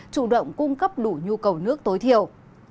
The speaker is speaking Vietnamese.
chủ động cung cấp đủ nhu cầu nước tối thiểu